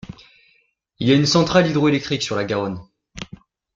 Il y a une centrale hydro-électrique sur la Garonne.